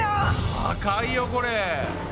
高いよこれ！